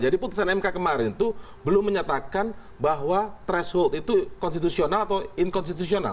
jadi putusan mk kemarin itu belum menyatakan bahwa threshold itu konstitusional atau tidak